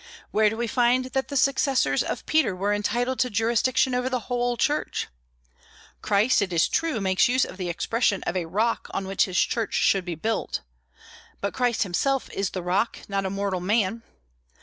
Where do we find that the successors of Peter were entitled to jurisdiction over the whole Church? Christ, it is true, makes use of the expression of a "rock" on which his Church should be built. But Christ himself is the rock, not a mortal man.